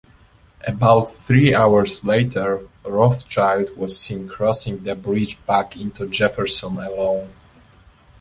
About three hours later, Rothschild was seen crossing the bridge back into Jefferson alone.